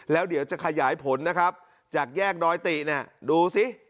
แล้วเดี๋ยวจะขยายผลนะครับจากแยกดอยติเนี่ยดูสิ